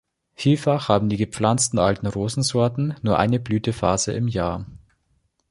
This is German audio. Vielfach haben die gepflanzten alten Rosensorten nur eine Blütephase im Jahr.